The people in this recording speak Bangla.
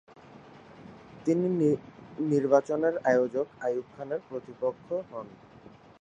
তিনি নির্বাচনের আয়োজক আইয়ুব খানের প্রতিপক্ষ হন।